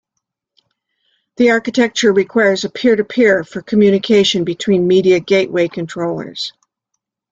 The architecture requires a Peer-to-Peer for communication between Media Gateway Controllers.